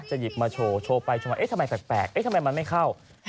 จะหยิบมาโชว์โชว์ไปทำไมแปลกทำไมมันไม่เข้า